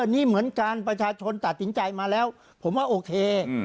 นี่เหมือนกันประชาชนตัดสินใจมาแล้วผมว่าโอเค